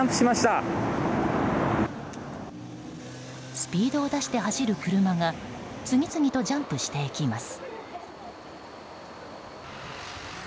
スピードを出して走る車が次々とジャンプしていきます。